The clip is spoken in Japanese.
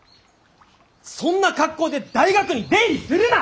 そんな格好で大学に出入りするな！